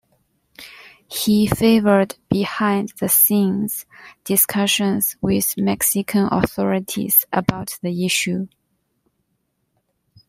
He favored behind the scenes discussions with Mexican authorities about the issue.